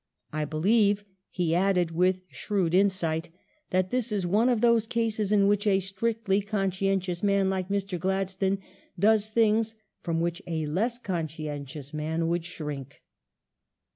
"I believe," he added with shrewd insight, "that this is one of those cases in which a strictly conscientious man like Mr. Gladstone does things fi*om which a less conscientious man would shrink